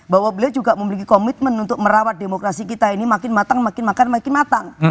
bahwa beliau juga memiliki komitmen untuk merawat demokrasi kita ini makin matang makin matang